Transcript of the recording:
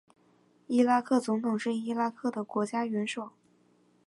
伊拉克总统是伊拉克的国家元首。